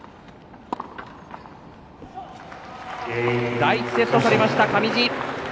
第１セットを取りました、上地。